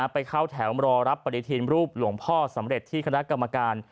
ไปเข้าแถวรอรับปฏิทินรูปหลวงพ่อสำเร็จที่คณะกรรมการ